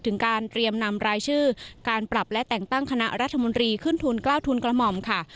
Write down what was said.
ถึงการเตรียมนำรายชื่อการปรับและแต่งตั้งคณะรัฐมนตรีขึ้นทุน๙ทุนกระหม่อมค่ะ